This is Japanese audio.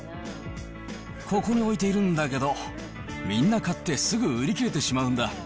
ここに置いてるんだけど、みんな買ってすぐ売り切れてしまうんだ。